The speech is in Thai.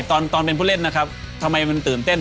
ตอนเป็นผู้เล่นนะครับทำไมมันตื่นเต้น